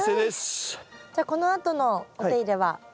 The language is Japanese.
じゃあこのあとのお手入れは？